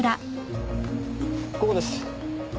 ここです。